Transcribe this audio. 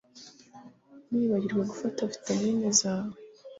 Ntiwibagirwe gufata vitamine zawe